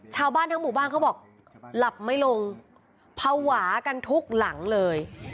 ชาวบ้านทั้งหมู่บ้านเขาบอกหลับไม่ลงภาวะกันทุกหลังเลย